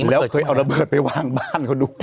แล้วเคยเอาระเบิดไปวางบ้านเขาด้วย